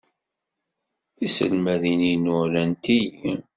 Tiselmadin-inu rant-iyi.